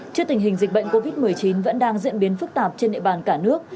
trước tình hình dịch bệnh covid một mươi chín vẫn đang diễn biến phức tạp trên địa bàn cả nước